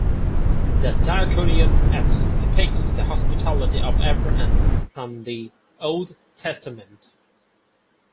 The diaconian apse depicts the Hospitality of Abraham from the Old Testament.